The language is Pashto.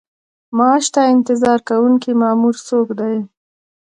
معاش ته انتظار کوونکی مامور څوک دی؟